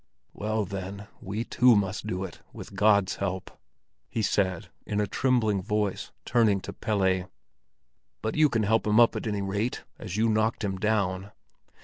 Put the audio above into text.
"Well, then, we two must do it with God's help," he said, in a trembling voice, turning to Pelle. "But you can help him up at any rate, as you knocked him down."